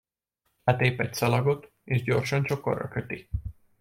Letép egy szalagot, és gyorsan csokorra köti.